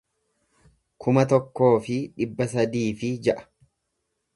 kuma tokkoo fi dhibba sadii fi ja'a